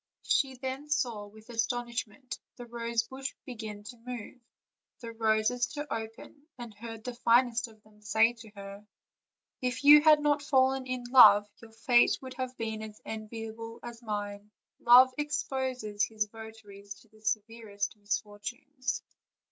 She then saw with astonishment the rose bush begin to move, the roses to open, and heard the finest of them say to her: "If you had not fallen in love your fate would have been as enviable as mine; Love exposes his votaries to the severest misfortunes.